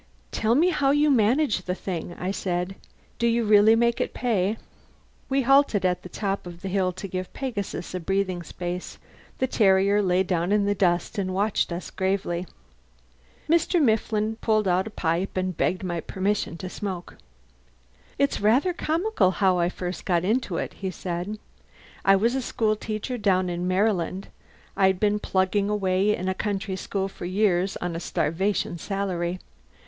"Tell me how you manage the thing," I said. "Do you really make it pay?" We halted at the top of the hill to give Pegasus a breathing space. The terrier lay down in the dust and watched us gravely. Mr. Mifflin pulled out a pipe and begged my permission to smoke. "It's rather comical how I first got into it," he said. "I was a school teacher down in Maryland. I'd been plugging away in a country school for years, on a starvation salary.